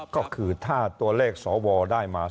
ก็คือถ้าตัวเลขสวได้มา